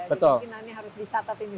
betul jadi mungkin nanti harus dicatat ini